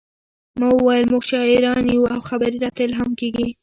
ما وویل موږ شاعران یو او خبرې راته الهام کیږي